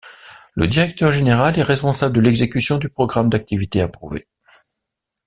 Le Directeur général est responsable de l’exécution du programme d’activités approuvé.